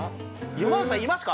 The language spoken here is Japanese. ◆山里さんいりますか。